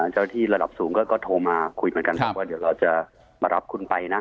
เจ้าที่ระดับสูงก็โทรมาคุยกันว่าเดี๋ยวเราจะมารับคุณไปนะ